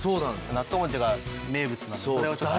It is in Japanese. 納豆餅が名物なので。